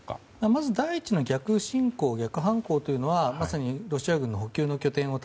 まず第一の逆侵攻というのはまさにロシア軍の国境の拠点を